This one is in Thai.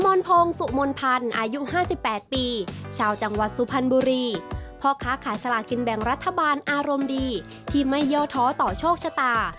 นพงศ์สุมนพันธ์อายุ๕๘ปีชาวจังหวัดสุพรรณบุรีพ่อค้าขายสลากินแบ่งรัฐบาลอารมณ์ดีที่ไม่ย่อท้อต่อโชคชะตา